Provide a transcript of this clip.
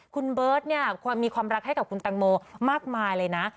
คุณเบิร์ตเนี่ยมีความรักให้กับคุณแตงโมมากมายเลยนะ